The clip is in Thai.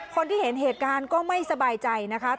คนที่เห็นเหตุการณ์ก็ไม่สบายใจนะคะ